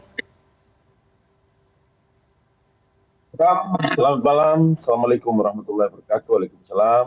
selamat malam assalamualaikum wr wb